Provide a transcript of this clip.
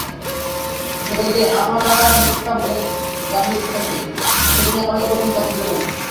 যদি আমরা মিথ্যা দাবি করে থাকি, তবে তিনি আমাদেরকে কঠিন শাস্তি দেবেন।